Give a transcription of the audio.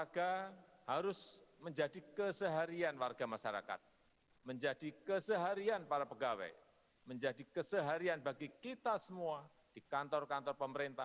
kehadiran presiden republik indonesia